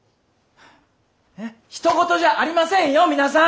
ひと事じゃありませんよ皆さん。